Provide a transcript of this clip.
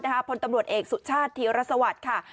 เพราะตำรวจเอกสุชาติธรรมศาวัฒน์ค่ะ